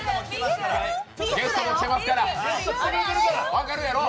ゲストも来てますから、分かるやろう？